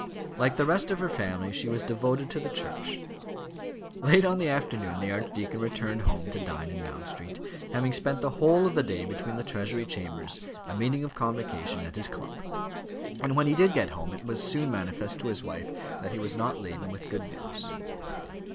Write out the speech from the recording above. Like the rest of her family she was devoted to the Church. Late on that afternoon the archdeacon returned home to dine in Mount Street, having spent the whole of the day between the Treasury chambers, a meeting of Convocation, and his club. And when he did get home it was soon manifest to his wife that he was not laden with good news.